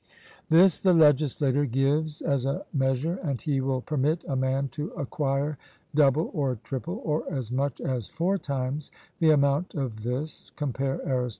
This the legislator gives as a measure, and he will permit a man to acquire double or triple, or as much as four times the amount of this (compare Arist.